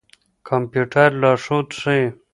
کمپيوټر لارښود ښيي.